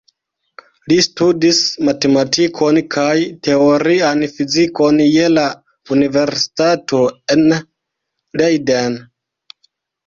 Li studis matematikon kaj teorian fizikon je la universitato en Leiden.